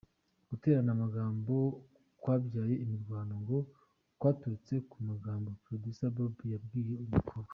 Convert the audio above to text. Guterana amagambo kwabyaye imirwano ngo kwaturutse ku magambo Producer Bob yabwiye uyu mukobwa.